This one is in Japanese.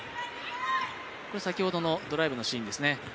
先ほどのドライブのシーンですね。